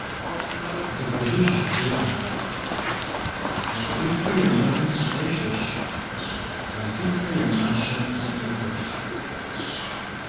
Дыгъужьыжь жеӀэ: «Алтутхэ я мэлым сыкъещэщ, Алтутхэ я мащэм сыкъихуэщ.».